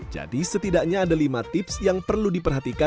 setidaknya ada lima tips yang perlu diperhatikan